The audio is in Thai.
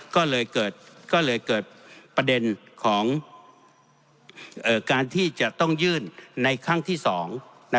ก็เลยเกิดประเด็นของการที่จะต้องยื่นในครั้งที่๒